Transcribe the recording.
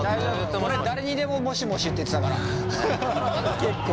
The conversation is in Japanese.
俺誰にでももしもしって言ってたから結構。